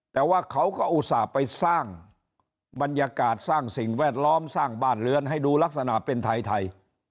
แต่ว่าเขาก็อุตส่าห์ไปสร้างบรรยากาศสร้างสิ่งแวดล้อมสร้างบ้านเรือนให้ดูลักษณะเป็นไทย